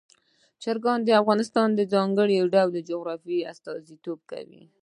چرګان د افغانستان د ځانګړي ډول جغرافیه استازیتوب کوي.